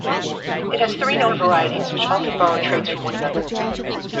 It has three known varieties, which often borrow traits from one another.